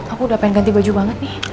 aku udah pengen ganti baju banget nih